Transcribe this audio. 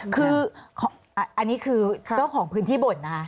คืออันนี้คือเจ้าของพื้นที่บ่นนะคะ